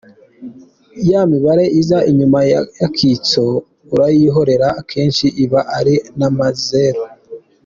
Ya mibare iza inyuma y’akitso urayihorera akenshi iba ari n’amazero.